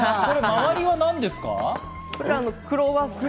周りは何ですか？